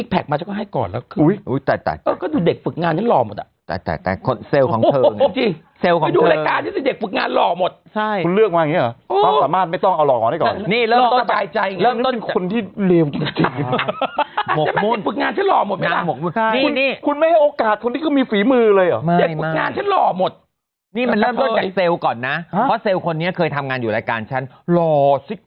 ก็ไปสมัครได้เลยเออยังอยู่ด้วยยังละก็มากก่อนที่คุณนายหม้าชอบนะ